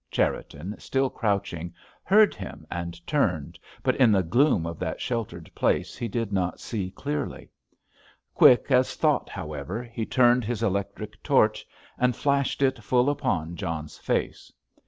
Cherriton, still crouching, heard him, and turned, but in the gloom of that sheltered place he did not see clearly. Quick as thought, however, he turned his electric torch and flashed it full upon John's face.